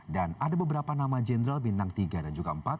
dan ada beberapa nama jenderal bintang tiga dan juga empat